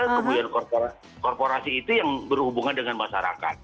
kemudian korporasi itu yang berhubungan dengan masyarakat